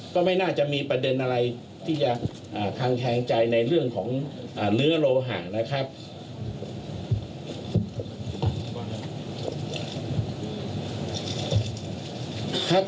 ก็ไม่น่าจะมีประเด็นอะไรที่จะคังแคงใจในเรื่องของเนื้อโลหะนะครับ